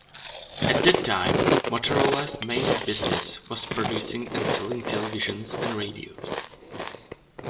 At that time Motorola's main business was producing and selling televisions and radios.